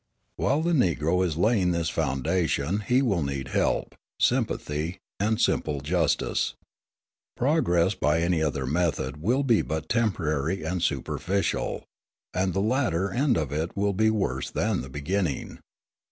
While the Negro is laying this foundation he will need help, sympathy, and simple justice. Progress by any other method will be but temporary and superficial, and the latter end of it will be worse than the beginning.